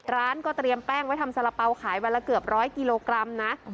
ร้านก็เตรียมแป้งไว้ทำสาระเป๋าขายวันละเกือบร้อยกิโลกรัมนะ